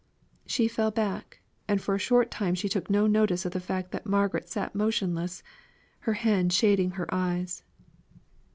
She fell back, and for a short time she took no notice of the fact that Margaret sat motionless, her hand shading her eyes.